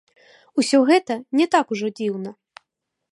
Усё гэта не так ужо дзіўна.